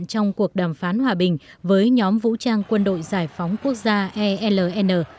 giải phóng quốc gia eln với nhóm vũ trang quân đội giải phóng quốc gia eln